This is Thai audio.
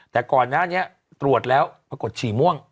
แต่ก่อนหน้านี้ตรวจแล้วปรากฏฉี่ม่วง